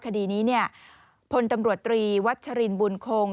คดีนี้พลตำรวจตรีวัชรินบุญคง